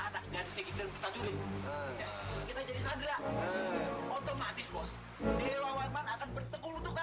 saya punya usul